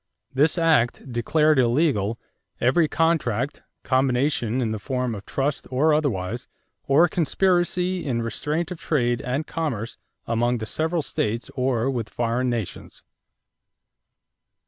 This act declared illegal "every contract, combination in the form of trust or otherwise, or conspiracy in restraint of trade and commerce among the several states or with foreign nations."